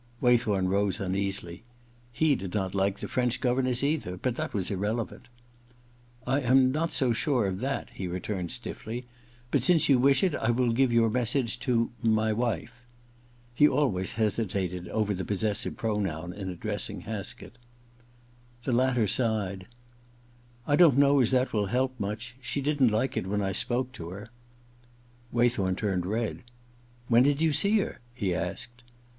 Waythorn rose uneasily. He did not like the French governess either ; but that was irrelevant. * I am not so sure of that,' he returned stiffly ;* but since you wish it I will give your message to — my wife.' He always hesitated over the possessive pronoun in addressing Haskett. The latter sighed. * I don t know as that will help much. She didn't like it when I spoke to her.' 62 IV THE OTHER TWO 63 Waythorn turned red. • When did you see her ?' he asked.